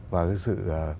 và cái sự